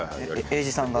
英二さんが。